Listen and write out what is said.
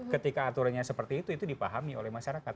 ketika aturannya seperti itu itu dipahami oleh masyarakat